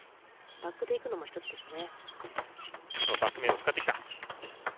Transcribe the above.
バックでいくのも１つですね。